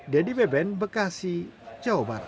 dedy beben bekasi jawa barat